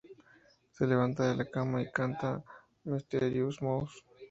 Se levanta de la cama y canta "Mysterious Mose".